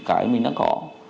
đến cái mình đã có